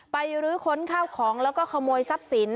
รื้อค้นข้าวของแล้วก็ขโมยทรัพย์สิน